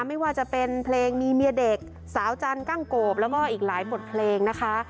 ไม่ว่าจะเป็นเพลงมีเมียเด็กสาวจันกั้งโกบแล้วก็อีกหลายบทเพลงนะคะ